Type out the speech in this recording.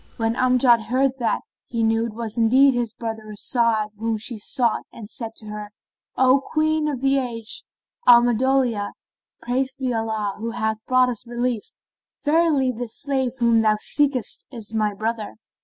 When Amjad heard that, he knew it was indeed his brother As'ad whom she sought and said to her, "O Queen of the age, Alhamdolillah, praised be Allah, who hath brought us relief! Verily this slave whom thou seekest is my brother."